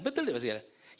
betul ya pak sekarang